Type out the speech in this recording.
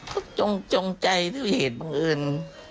เขาจงใจที่เห็นบางอื่น